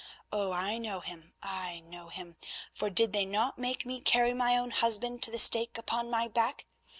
Oh, I know him, I know him, for did they not make me carry my own husband to the stake upon my back?